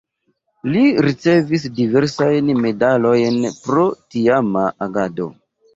Li ricevis diversajn medalojn pro tiama agado.